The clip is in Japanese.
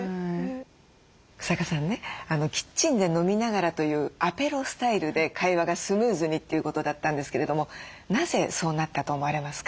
日下さんねキッチンで飲みながらというアペロスタイルで会話がスムーズにということだったんですけれどもなぜそうなったと思われますか？